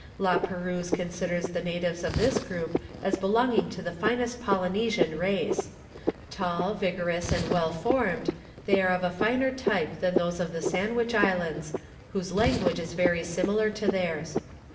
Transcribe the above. La Perouse considers the natives of this group as belonging to the finest Polynesian race. Tall, vigorous, and well formed, they are of finer type than those of the Sandwich Islands, whose language is very similar to theirs.